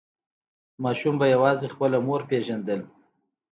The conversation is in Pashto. ماشوم به یوازې خپله مور پیژندل.